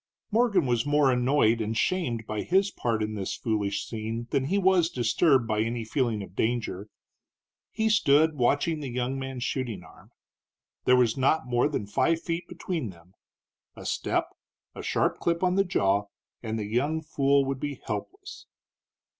Morgan was more annoyed and shamed by his part in this foolish scene than he was disturbed by any feeling of danger. He stood watching the young man's shooting arm. There was not more than five feet between them; a step, a sharp clip on the jaw, and the young fool would be helpless.